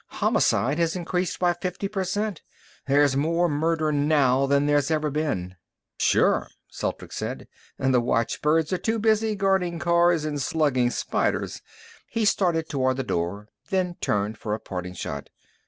"Homicide has increased by fifty per cent. There's more murder now than there's ever been." "Sure," Celtrics said. "The watchbirds are too busy guarding cars and slugging spiders." He started toward the door, then turned for a parting shot.